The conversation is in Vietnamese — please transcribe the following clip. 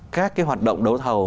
các cái hoạt động đấu thầu